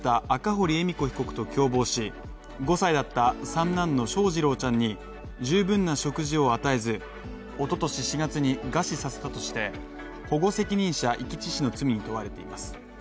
５歳だった三男の翔士郎ちゃんに十分な食事を与えず、一昨年４月に餓死させたとして、保護責任者遺棄致死の罪に問われています。